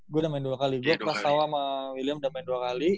gua udah main dua kali gua pas tau sama william udah main dua kali